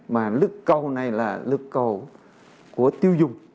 mà lực cầu này là lực cầu của tiêu dùng